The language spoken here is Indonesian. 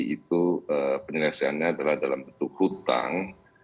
itu penyelesaiannya adalah dalam bentuk hutang